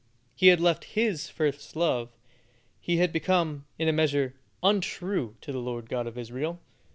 He had left His first love; he had become, in a measure, untrue to the Lord God of Israel.